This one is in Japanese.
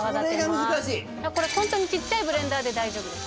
これが難しいこれホントにちっちゃいブレンダーで大丈夫です